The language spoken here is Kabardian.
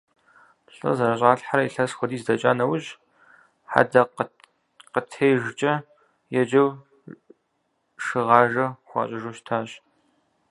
ЛӀыр зэрыщӀалъхьэрэ илъэс хуэдиз дэкӀа нэужь, хьэдэкъытежкӀэ еджэу шыгъажэ хуащӀыжу щытащ.